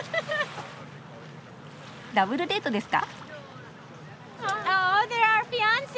ダブルデートですか？